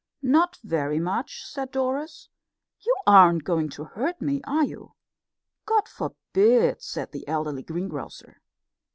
"Not very much," said Doris. "You aren't going to hurt me, are you?" "God forbid!" said the elderly greengrocer.